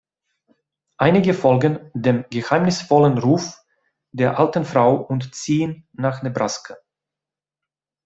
Einige folgen dem geheimnisvollen Ruf der alten Frau und ziehen nach Nebraska.